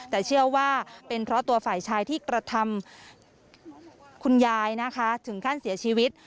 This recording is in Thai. แต่เชื่อว่าเป็นเพราะตัวฝ่ายชายที่กระทำคุณยายนะคะถึงขั้นเสียชีวิต